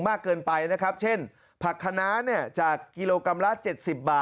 เกินไปนะครับเช่นผักคณะเนี่ยจากกิโลกรัมละเจ็ดสิบบาท